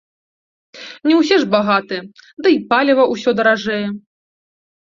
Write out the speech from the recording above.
Не ўсе ж багатыя, ды й паліва ўсё даражэе.